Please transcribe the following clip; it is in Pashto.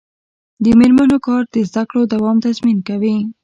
د میرمنو کار د زدکړو دوام تضمین کوي.